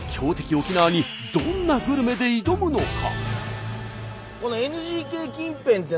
沖縄にどんなグルメで挑むのか？